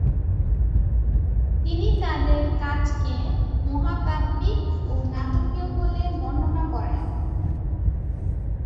তিনি তাদের কাজকে মহাকাব্যিক ও নাটকীয় বলে বর্ণনা করেন।